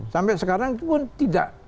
sampai sekarang itu pun tidak